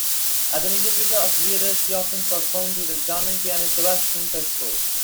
As an interpreter of Lieder, she often performed with the German pianist Sebastian Peschko.